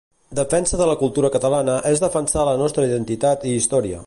Defensa de la cultura catalana és defensar la nostra identitat i història.